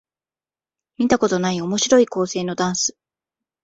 見たことない面白い構成のダンス